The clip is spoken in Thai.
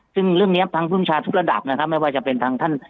ซึ่งเรื่องนี้ทางภูมิชาทุกระดับนะครับไม่ว่าจะเป็นทางท่าน